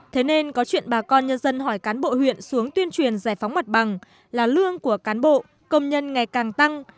thế nên có chuyện bà con nhân dân hỏi cán bộ huyện xuống tuyên truyền giải phóng mặt bằng là lương của cán bộ công nhân ngày càng tăng